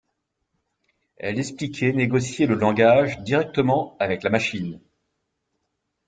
Elle expliquait négocier le langage directement avec la machine.